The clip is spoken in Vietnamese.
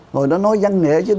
hồi đó nói giang nghệ chứ